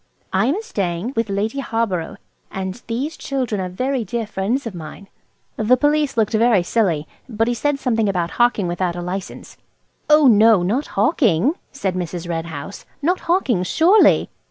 I am staying with Lady Harborough, and these children are very dear friends of mine." The Police looked very silly, but he said something about hawking without a license "Oh no, not hawking," said Mrs. Red House, "not hawking surely!